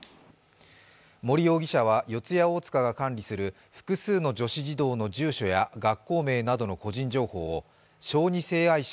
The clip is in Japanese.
森容疑者は四谷大塚が管理する複数の女子児童の住所や学校名などの個人情報を小児性愛者